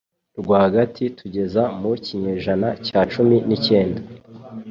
rwagati kugeza mu kinyejana cya cumi nikenda